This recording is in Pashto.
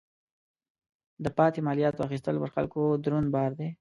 د پاتې مالیاتو اخیستل پر خلکو دروند بار دی.